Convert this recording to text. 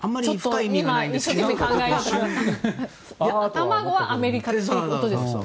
卵はアメリカということですね。